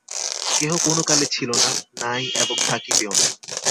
কেহ কোন কালে ছিল না, নাই এবং থাকিবেও না।